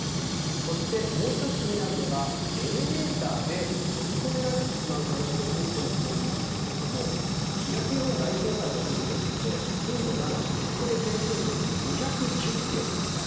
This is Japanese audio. そしてもう１つ気になるのがエレベーターで閉じ込められてしまう可能性という事案なんですが東日本大震災の時には震度７閉じ込め件数が２１０件でした。